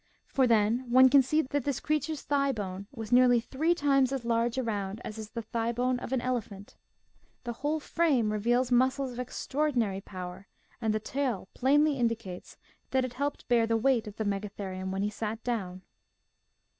For then one can see that this crea ture's thigh bone was nearly three times as large around as is the thigh bone of an elephant. The whole frame reveals muscles of extraordinary power, and the tail plainly indicates that it helped SOME SOUTH AMERICAN RULERS 137 bear the weight of the Megatherium when he sat down.